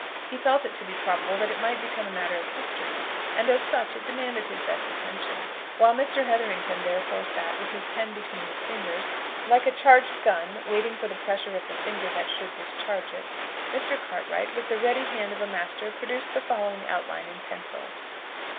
He felt it to be probable that it might become matter of history, and as such it demanded his best attention. While Mr. Hetherington therefore sat with his pen between his fingers, like a charged gun waiting for the pressure of the finger that should discharge it, Mr. Cartwright, with the ready hand of a master produced the following outline in pencil.